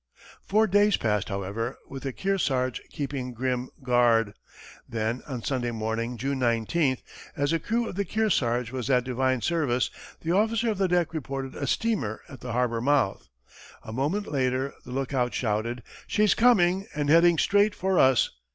Four days passed, however, with the Kearsarge keeping grim guard. Then, on Sunday morning, June 19, as the crew of the Kearsarge was at divine service, the officer of the deck reported a steamer at the harbor mouth. A moment later, the lookout shouted, "She's coming, and heading straight for us!"